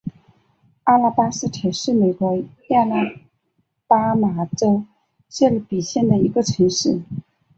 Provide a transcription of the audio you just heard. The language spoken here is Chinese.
阿拉巴斯特是美国亚拉巴马州谢尔比县的一个城市。